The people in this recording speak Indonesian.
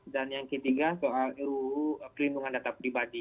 dan yang ketiga soal ruu perlindungan data pribadi